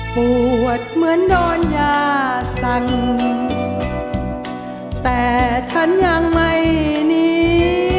ปวดเหมือนโดนยาสั่งแต่ฉันยังไม่หนี